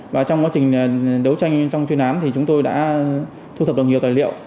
và trong quá trình đấu tranh trong chuyên án thì chúng tôi đã thu thập được nhiều tài liệu